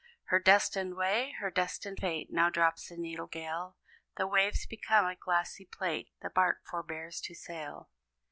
Her destined way? Her destined fate! Now drops the needful gale; The waves become a glassy plate; The bark forbears to sail.